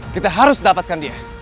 kita harus dapatkan dia